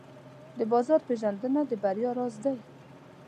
د بازار پېژندنه د بریا راز دی.